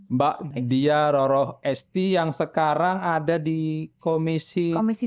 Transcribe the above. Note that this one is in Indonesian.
mbak diaroroh esti yang sekarang ada di komisi tujuh